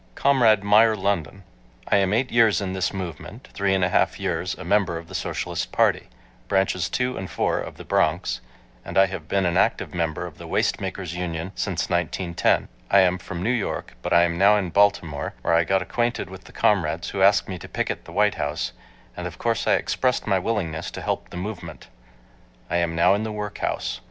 Comrade Meyer London: I am eight years in this movement, three and a half years a member of the Socialist Party, Branches 2 and 4 of the Bronx, and I have been an active member of the Waist Makers' Union since 1910. I am from New York, but am now in Baltimore, where I got acquainted with the comrades who asked me to picket the White House, and of course I expressed my willingness to help the movement. I am now in the workhouse.